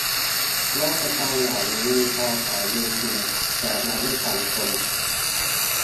มาตรการเหล่านี้มีการหารือจริง แต่ยังไม่ฟันธง